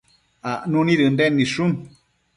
acnu nid Ënden nidshun